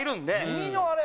耳のあれ。